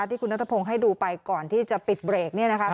ที่คุณนัทพงศ์ให้ดูไปก่อนที่จะปิดเบรก